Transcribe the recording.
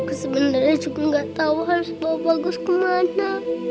aku sebenarnya cukup nggak tahu harus bawa bagus kemana